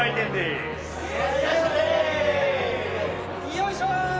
・よいしょ！